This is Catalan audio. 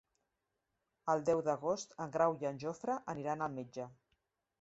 El deu d'agost en Grau i en Jofre aniran al metge.